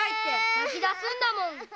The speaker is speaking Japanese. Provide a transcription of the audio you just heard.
泣き出すんだもん。